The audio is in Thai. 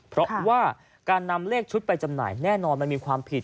เพราะว่าการนำเลขชุดไปจำหน่ายแน่นอนมันมีความผิด